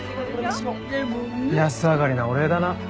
安上がりなお礼だな。